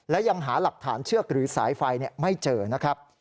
และยังหาหลักฐานเชือกหรือสายไฟไม่เจอนะครับ